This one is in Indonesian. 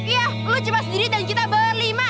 iya lo cuma sendiri dan kita berlima